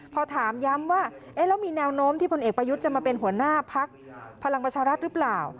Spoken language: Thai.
พอถามย้ำว่าแล้วมีแนวโน้มที่พลเอกประยุทธ์จะมาเป็นหัวหน้าพักพลังประชารัฐหรือเปล่า